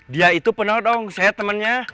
dia itu penodong saya temannya